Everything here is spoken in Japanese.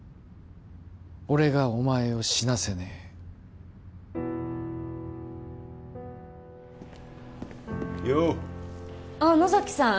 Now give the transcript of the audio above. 俺がお前を死なせねえようああ野崎さん